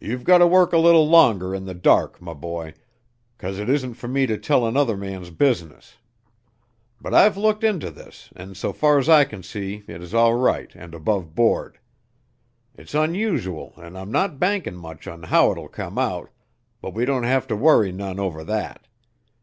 "You've gotter work a little longer in the dark, m' boy, 'cause it isn't for me to tell another man's business. But I've looked inter this and so far's I can see it is all right and above board. It's onusual an' I'm not bankin' much on how it'll come out, but we don't have to worry none over that.